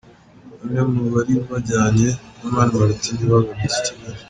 Bane mu bari bajyanye na Mani Martin ntibagarutse i Kigali.